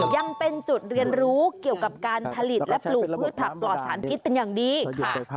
ยังเป็นจุดเรียนรู้เกี่ยวกับการผลิตและปลูกพืชผักปลอดสารพิษเป็นอย่างดีค่ะ